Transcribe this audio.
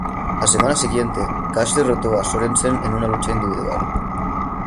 La semana siguiente, Kash derrotó a Sorensen en una lucha individual.